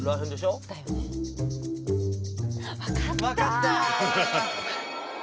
分かった！